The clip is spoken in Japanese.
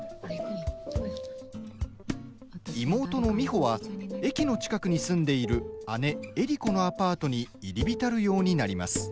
妹の美穂は駅の近くに住んでいる姉・江里子のアパートに入り浸るようになります。